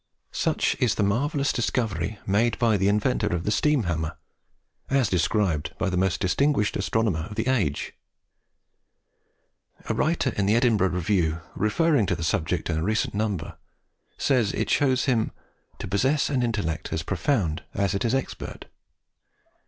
Such is the marvellous discovery made by the inventor of the steam hammer, as described by the most distinguished astronomer of the age. A writer in the Edinburgh Review, referring to the subject in a recent number, says it shows him "to possess an intellect as profound as it is expert."